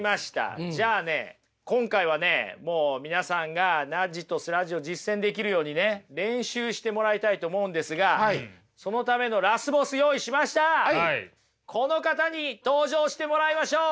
じゃあね今回はねもう皆さんがナッジとスラッジを実践できるようにね練習してもらいたいと思うんですがそのためのこの方に登場してもらいましょう。